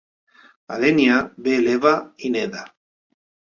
A Dènia ve l'Eva i neda.